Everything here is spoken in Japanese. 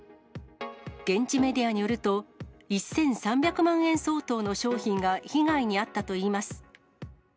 現地メディアによると、１３００万円相当の商品が被害に遭ったといいます。